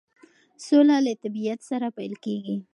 سوله له طبیعت سره پیل کیږي.